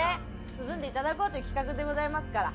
涼んで頂こうという企画でございますから。